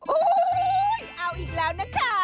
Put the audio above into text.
อุ๊ยเอาอีกแล้วนะคะ